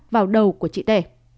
vào đầu của chị t